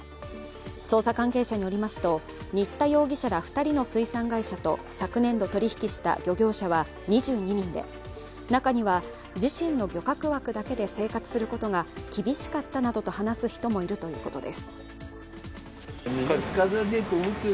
捜査関係者によりますと、新田容疑者ら２人の水産会社と昨年度取引した漁業者は２２人で、中には自身の漁獲枠だけで生活することが厳しくかったなどと話す人もいるということです。